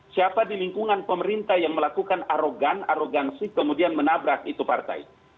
siapa di lingkungan pemerintah yang melakukan arogan arogansi kemudian menabrak itu partai